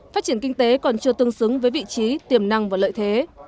phát triển kinh tế còn chưa tương xứng với vị trí tiềm năng và lợi thế